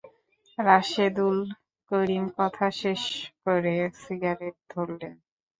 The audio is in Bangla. রাশেদুল করিম কথা শেষ করে সিগারেট ধরলেন।